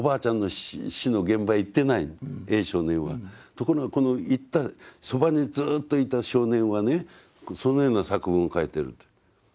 ところがこの行ったそばにずっといた少年はねそのような作文を書いてると。ね。